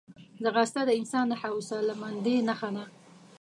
ځغاسته د انسان د حوصلهمندۍ نښه ده